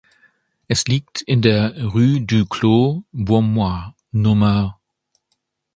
Es liegt in der "Rue du Clos Beaumois" Nr.